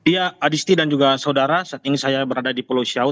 ya adisti dan juga saudara saat ini saya berada di pulau siau